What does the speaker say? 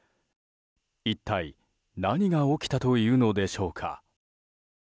一体何が起きたというのでしょうか。